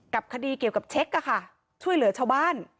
คดีเกี่ยวกับเช็คอะค่ะช่วยเหลือชาวบ้าน